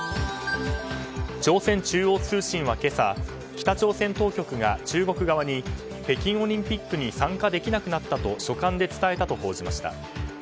朝鮮中央通信は今朝北朝鮮当局が中国側に北京オリンピックに参加できなくなったと書簡で伝えたと報じました。